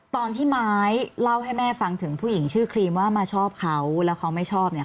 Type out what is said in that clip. ตอนที่ไม้เล่าให้แม่ฟังถึงผู้หญิงชื่อครีมว่ามาชอบเขาแล้วเขาไม่ชอบเนี่ย